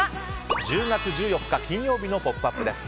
１０月１４日、金曜日の「ポップＵＰ！」です。